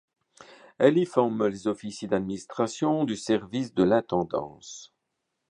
Elle y forme les officiers d'administration du service de l'Intendance.